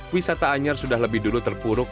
wisata anyar sudah lebih dulu terpuruk